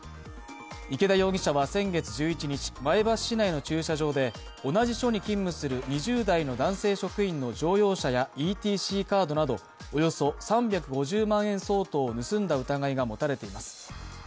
池田容疑者は先月１１日、前橋市内の駐車場で、同じ暑に勤務する２０代の男性職員の乗用車やＥＴＣカードなどおよそ３５０万円相当を盗んだ疑いが持たれています。